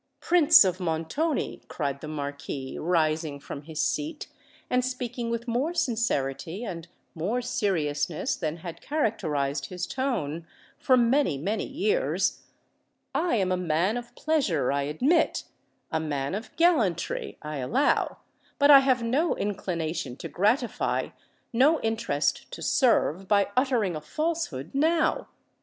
"Prince of Montoni," cried the Marquis, rising from his seat, and speaking with more sincerity and more seriousness than had characterised his tone for many, many years; "I am a man of pleasure, I admit—a man of gallantry, I allow; but I have no inclination to gratify, no interest to serve, by uttering a falsehood now.